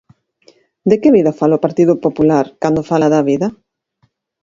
De que vida fala o Partido Popular cando fala da vida?